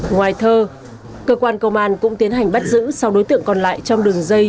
ngoài thơ cơ quan công an cũng tiến hành bắt giữ sau đối tượng còn lại trong đường dây